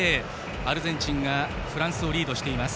アルゼンチンがフランスをリードしています。